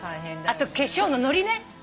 あと化粧ののりね。